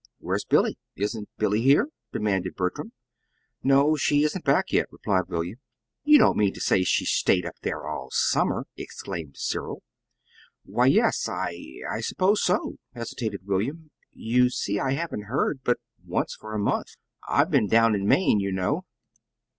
"Where's Billy? Isn't Billy here?" demanded Bertram. "No. She isn't back yet," replied William. "You don't mean to say she's stayed up there all summer!" exclaimed Cyril. "Why, yes, I I suppose so," hesitated William. "You see, I haven't heard but once for a month. I've been down in Maine, you know."